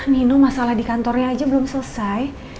minum masalah di kantornya aja belum selesai